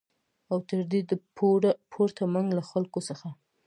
او تر دې د پورته منګ له خلکو څخه